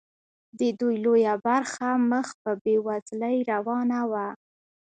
د دوی لویه برخه مخ په بیوزلۍ روانه وه.